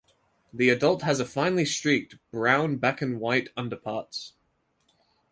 The adult has a finely streaked brown back and white underparts.